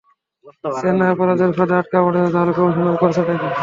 চেন্নাই অপরাধের ফাঁদে আটকা পড়েছ, তাহলে, কমিশনার করছেটা কী?